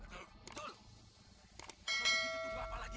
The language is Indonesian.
betul mau begitu tunggu apa lagi